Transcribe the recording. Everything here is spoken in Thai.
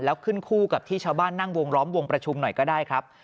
แล้วขึ้นคู่กับที่ชาวบ้านนั่งวงล้อมวงประชุมหน่อยก็ได้ครับ